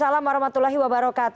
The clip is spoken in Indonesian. waalaikumsalam wr wb